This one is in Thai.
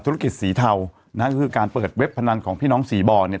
ธุรกิจสีเทานะฮะก็คือการเปิดเว็บพนันของพี่น้องสี่บ่อเนี่ย